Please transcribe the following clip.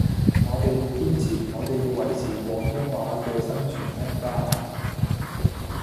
我哋要堅持，我哋要維持廣東話嘅生存空間